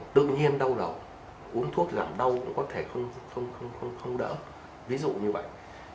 tự nhiên đau đầu uống thuốc giảm đau cũng có thể không đỡ ví dụ như vậy